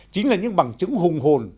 chính là những bằng chứng hùng hồn